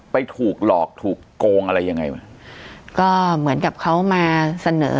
ถูกหลอกถูกโกงอะไรยังไงวะก็เหมือนกับเขามาเสนอ